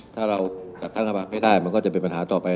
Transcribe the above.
ถ้าตั้งแต่หากไม่ได้มันก็จะเป็นปัญหาต่อไป